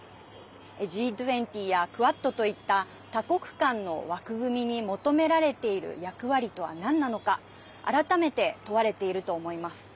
Ｇ２０やクアッドといった多国間の枠組みに求められている役割とは何なのか改めて問われていると思います。